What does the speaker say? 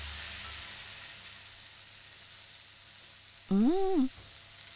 うん。